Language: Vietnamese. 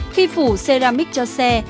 khi phủ ceramic cho xe